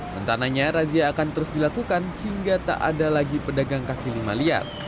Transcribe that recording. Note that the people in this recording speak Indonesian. rencananya razia akan terus dilakukan hingga tak ada lagi pedagang kaki lima liar